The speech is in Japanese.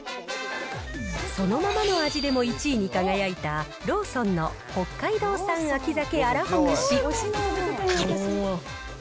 そのままの味でも１位に輝いた、ローソンの北海道産秋鮭あらほぐし。